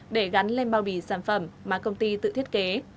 để gắn lên bao bì sản phẩm mà công ty tự thiết kế